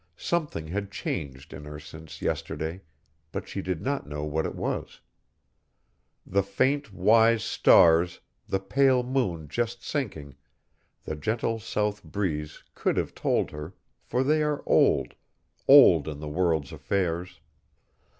Something had changed in her since yesterday, but she did not know what it was. The faint wise stars, the pale moon just sinking, the gentle south breeze could have told her, for they are old, old in the world's affairs.